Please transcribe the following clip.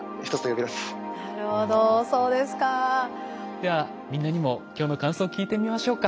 ではみんなにも今日の感想を聞いてみましょうか。